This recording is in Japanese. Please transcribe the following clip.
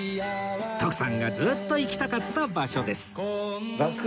徳さんがずっと行きたかった場所です